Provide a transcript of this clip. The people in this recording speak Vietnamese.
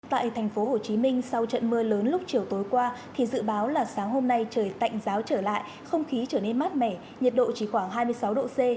tại thành phố hồ chí minh sau trận mưa lớn lúc chiều tối qua thì dự báo là sáng hôm nay trời tạnh giáo trở lại không khí trở nên mát mẻ nhiệt độ chỉ khoảng hai mươi sáu độ c